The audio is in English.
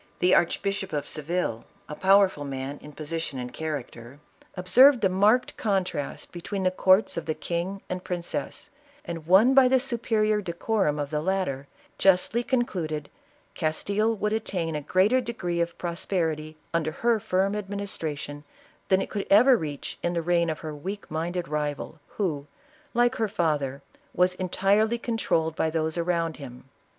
The Archbishop of Seville, a powerful man in position and character, observing the marked con trast between the courts of the king and princess, and won by the superior decorum of the latter, justly con cluded, Castile would attain a greater degree of pros perity under her firm administration, than it could ever reach in the reign of her weak minded rival, who, like her father, was entirely controlled by those around him.